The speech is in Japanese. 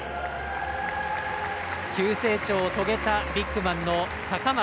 急成長を遂げたビッグマンの高松。